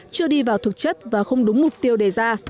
chưa đi vào thực chất và không đúng mục tiêu đề ra